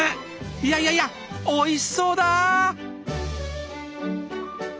いやいやいやおいしそうだ！